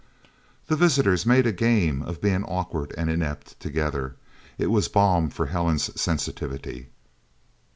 The visitors made a game of being awkward and inept, together. It was balm for Helen's sensitivity.